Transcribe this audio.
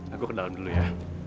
aku ke dalam dulu ya